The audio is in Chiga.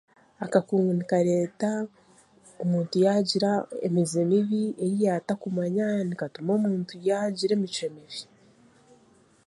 Akakungu nikareeta omuntu yaagira emize mibi ei yaatakumanya nikatuma omuntu yaagira emicwe mibi